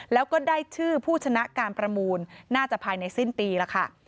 แล้วก็ได้ชื่อผู้ชนะการประมูลน่าจะภายในสิ้นปีแล้วค่ะ